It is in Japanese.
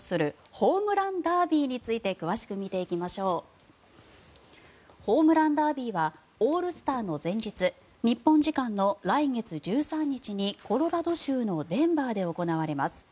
ホームランダービーはオールスターの前日日本時間の来月１３日にコロラド州のデンバーで行われます。